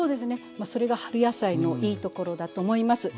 まあそれが春野菜のいいところだと思います。